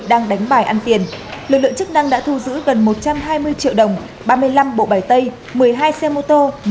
đang đánh bài ăn tiền lực lượng chức năng đã thu giữ gần một trăm hai mươi triệu đồng ba mươi năm bộ bài tay một mươi hai xe mô tô